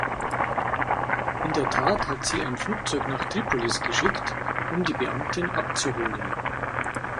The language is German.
In der Tat hat sie ein Flugzeug nach Tripolis geschickt, um die Beamten abzuholen.